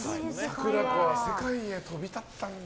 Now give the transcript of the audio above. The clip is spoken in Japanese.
さくらこは世界へ飛び立ったんだ。